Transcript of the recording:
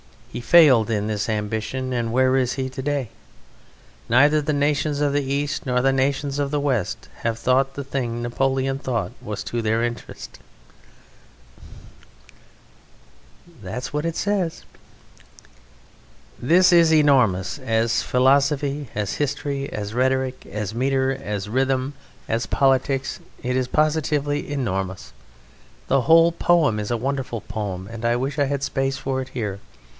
He failed in this ambition; and where is he to day? Neither the nations of the East nor the nations of the West Have thought the thing Napoleon thought was to their interest. This is enormous. As philosophy, as history, as rhetoric, as metre, as rhythm, as politics, it is positively enormous. The whole poem is a wonderful poem, and I wish I had space for it here.